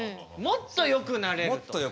もっとよくなれます。